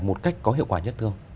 một cách có hiệu quả nhất không